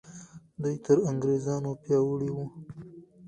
دوی تر انګریزانو پیاوړي وو.